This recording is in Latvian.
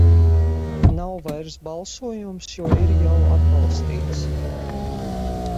Nav vairs balsojams, jo ir jau atbalstīts.